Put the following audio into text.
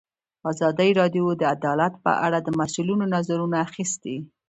ازادي راډیو د عدالت په اړه د مسؤلینو نظرونه اخیستي.